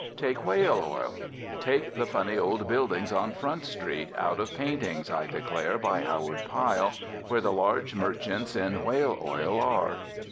Take whale oil. Take the funny old buildings on Front Street, out of paintings, I declare, by Howard Pyle, where the large merchants in whale oil are.